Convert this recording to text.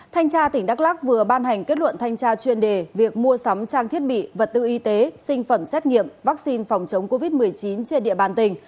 thanh tra tỉnh đắk lắc vừa ban hành kết luận thanh tra chuyên đề việc mua sắm trang thiết bị vật tư y tế sinh phẩm xét nghiệm vaccine phòng chống covid một mươi chín trên địa bàn tỉnh